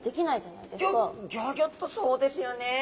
だってギョギョギョッとそうですよね。